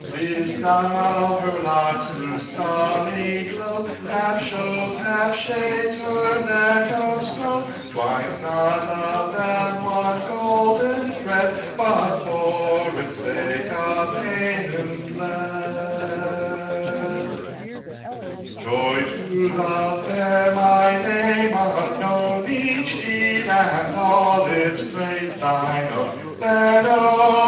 Seest thou her locks, whose sunny glow Half shows, half shades, her neck of snow? Twines not of them one golden thread, But for its sake a Paynim bled.' 5. "Joy to the fair!—my name unknown, Each deed, and all its praise thine own Then, oh!